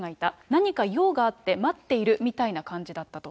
何か用があって待っているみたいな感じだったと。